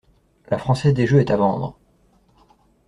La française des jeux est à vendre.